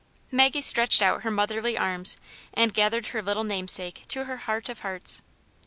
'* Maggie stretched out her motherly arms, and gathered her little namesake to her heart of hearts.